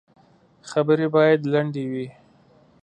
خبري باید لنډي وي .